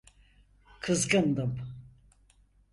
Kızgındım.